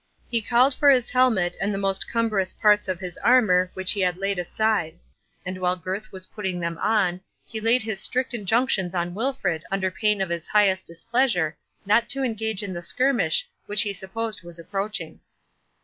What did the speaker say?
He called for his helmet and the most cumbrous parts of his armour, which he had laid aside; and while Gurth was putting them on, he laid his strict injunctions on Wilfred, under pain of his highest displeasure, not to engage in the skirmish which he supposed was approaching.